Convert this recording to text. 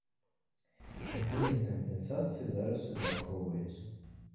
Механізм кампенсацыі зараз абмяркоўваецца.